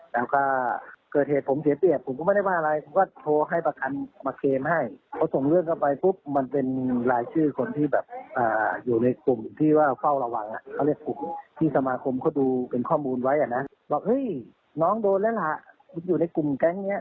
เฮ้ยน้องโดนแล้วล่ะอยู่ในกลุ่มแก๊งเนี่ย